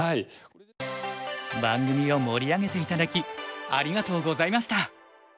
番組を盛り上げて頂きありがとうございました！